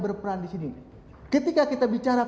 berperan di sini ketika kita bicara